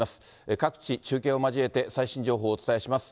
各地、中継を交えて、最新情報をお伝えします。